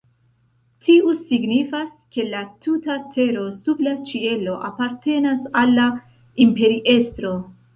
Tio signifas, ke la tuta tero sub la ĉielo apartenas al la imperiestro.